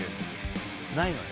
ないのよ